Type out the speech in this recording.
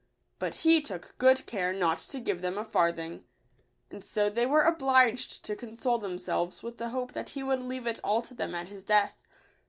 But he took good care not to give them a farthing; and so they were obliged to console themselves with the hope that he would leave it all to them at his death.